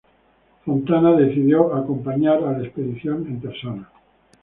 Fontana decidió acompañar a la expedición en persona.